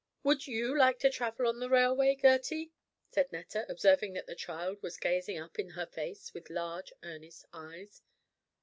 Would you like to travel on the railway, Gertie?" said Netta, observing that the child was gazing up in her face with large earnest eyes.